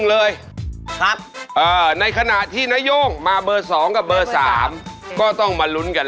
และสรุปพักก็ไม่ใช่